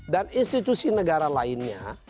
dan institusi negara lainnya